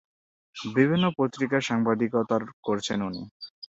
বিভিন্ন পত্রিকায় সাংবাদিকতা করেছেন তিনি।